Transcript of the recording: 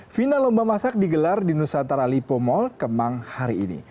final lomba masak digelar di nusantara lipo mall kemang hari ini